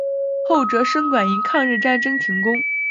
后哲生馆因抗日战争停工。